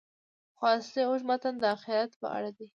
خو اصلي اوږد متن د آخرت په اړه دی.